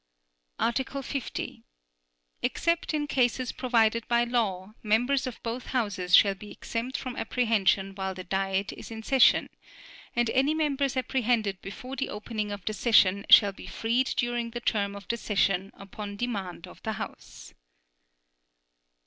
Article 50. Except in cases provided by law, members of both Houses shall be exempt from apprehension while the Diet is in session, and any members apprehended before the opening of the session shall be freed during the term of the session upon demand of the House.